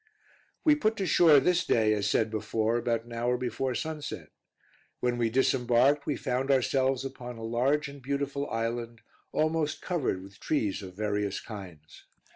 We put to shore this day, as said before, about an hour before sunset. When we disembarked, we found ourselves upon a large and beautiful island, almost covered with trees of various kinds.